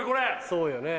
そうよね。